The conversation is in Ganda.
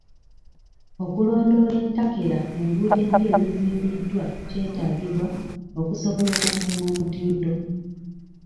Okulondoola entakera enguudo empya ezizimbiddwa kwetaagibwa okusobola okukuuma omutindo.